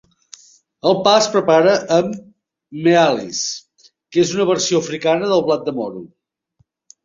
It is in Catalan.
El pa es prepara amb "mealies", que és una versió africana del blat de moro.